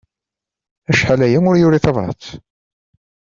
Acḥal aya ur yuri tabrat.